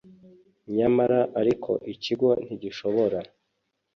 nyamara ariko ikigo ntigishobora